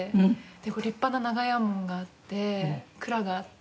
立派な長屋門があって蔵があって。